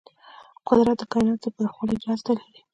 قدرت د کایناتو د پراخوالي راز لري.